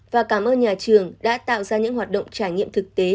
và cảm ơn nhà trường đã tạo ra những hoạt động trải nghiệm thực tế